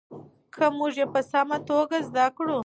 که موږ یې په سمه توګه زده کړو.